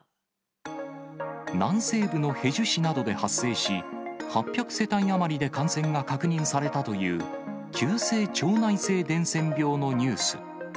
南西部のヘジュ市などで発生し、８００世帯余りで感染が確認されたという、急性腸内性伝染病のニュース。